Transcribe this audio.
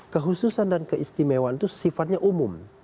kehususan dan keistimewaan itu sifatnya umum